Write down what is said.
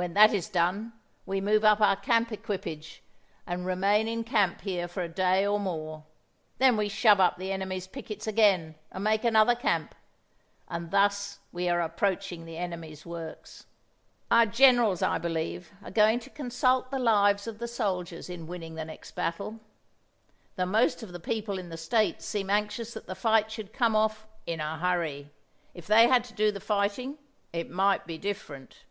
When that is done we move up our camp equipage and remain in camp here for a day or more. Then we shove up the enemy's pickets again, and make another camp; and thus we are approaching the enemy's works. Our generals, I believe, are going to consult the lives of the soldiers in winning the next battle. The most of the people in the States seem anxious that the fight should come off in a hurry. If they had to do the fighting it might be different.